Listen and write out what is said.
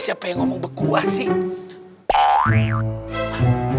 siapa yang ngomong beku asik